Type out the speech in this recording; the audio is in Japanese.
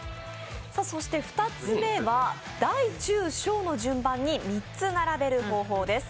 そして２つ目は大中小の順番に３つ並べる方法です。